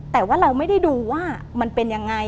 แต่ว่าเราไม่ได้ดูว่ามันเป็นยังไง